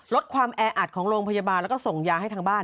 ลดความแออัดของโรงพยาบาลแล้วก็ส่งยาให้ทางบ้าน